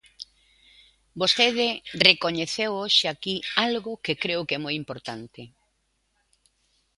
Vostede recoñeceu hoxe aquí algo que creo que é moi importante.